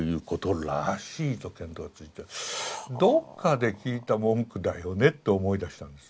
どっかで聞いた文句だよねって思い出したんです。